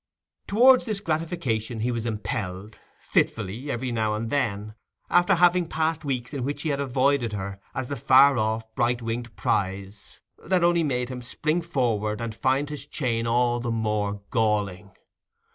Towards this gratification he was impelled, fitfully, every now and then, after having passed weeks in which he had avoided her as the far off bright winged prize that only made him spring forward and find his chain all the more galling.